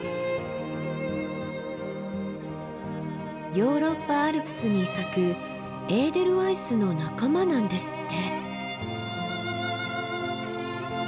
ヨーロッパアルプスに咲くエーデルワイスの仲間なんですって。